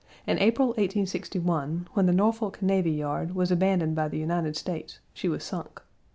In April, 1861, when the Norfolk Navy yard was abandoned by the United States she was sunk.